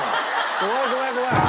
怖い怖い怖い！